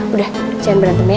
udah jangan berantem ya